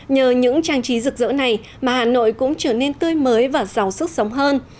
nhờ những trang trí rực rỡ này mà hà nội cũng trở nên tươi mới và giàu sức sống hơn